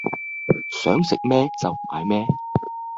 想食咩就買咩